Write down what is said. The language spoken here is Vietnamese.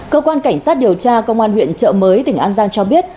cơ quan cảnh sát điều tra công an huyện trợ mới tỉnh an giang cho biết